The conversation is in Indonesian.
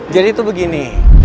jadi tuh begini